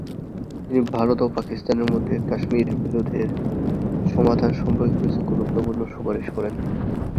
তিনি ভারত ও পাকিস্তানের মধ্যে কাশ্মীর বিরোধের সমাধান সম্পর্কে কিছু গুরুত্বপূর্ণ সুপারিশ করেন।